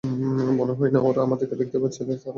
মনে হয় না ওরা আমাদের দেখতে পাচ্ছে, অ্যালেক্স আর ওর মা।